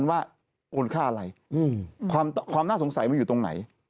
เงินนั้นว่าโอนค่าอะไรอืมความความน่าสงสัยมันอยู่ตรงไหน